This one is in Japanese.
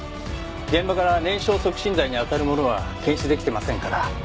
現場から燃焼促進剤にあたるものは検出出来てませんから。